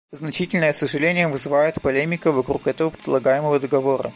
Значительное сожаление вызывает полемика вокруг этого предлагаемого договора.